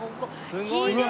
すごいな。